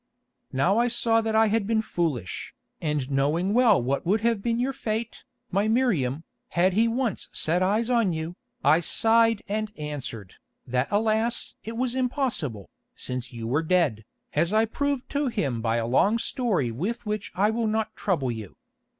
"Now I saw that I had been foolish, and knowing well what would have been your fate, my Miriam, had he once set eyes on you, I sighed and answered, that alas! it was impossible, since you were dead, as I proved to him by a long story with which I will not trouble you.